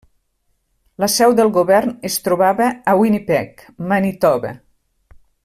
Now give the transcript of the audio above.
La seu del govern es trobava a Winnipeg, Manitoba.